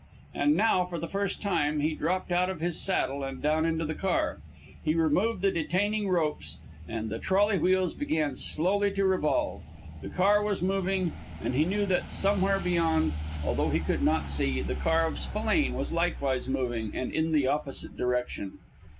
And now, for the first time, he dropped out of his saddle and down into the car. He removed the detaining ropes, and the trolley wheels began slowly to revolve. The car was moving, and he knew that somewhere beyond, although he could not see, the car of Spillane was likewise moving, and in the opposite direction.